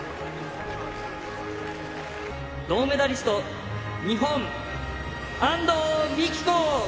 銅メダリスト、日本、安藤美